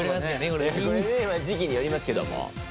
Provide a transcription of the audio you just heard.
時期によりますけどねこれ。